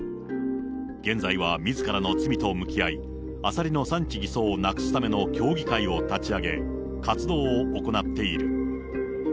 現在はみずからの罪と向き合い、アサリの産地偽装をなくすための協議会を立ち上げ、活動を行っている。